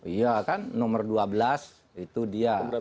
iya kan nomor dua belas itu dia